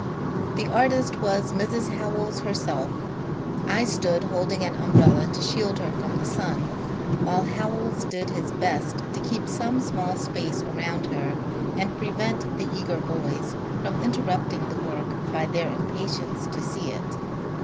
The artist was Mrs. Howells herself ; I stood holding an umbrella to shield her from the sun, while Howells did his best to keep some small space around her and prevent the eager boys from interrupting the work by their impatience to see it.